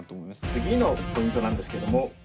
次のポイントなんですけども。